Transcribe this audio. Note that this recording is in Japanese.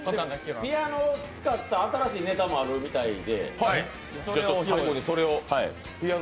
ピアノを使った新しいネタもあるみたいで。